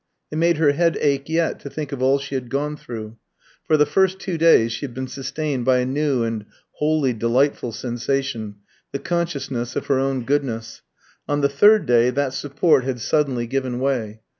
It made her head ache yet to think of all she had gone through. For the first two days she had been sustained by a new and wholly delightful sensation, the consciousness of her own goodness; on the third day that support had suddenly given way.